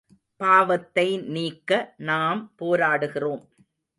பாவத்தை நீக்க நாம் போராடுகிறோம்.